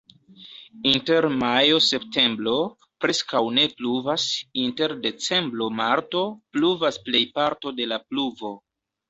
Inter majo-septembro preskaŭ ne pluvas, inter decembro-marto pluvas plejparto de la pluvo.